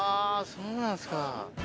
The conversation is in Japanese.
そうなんですか。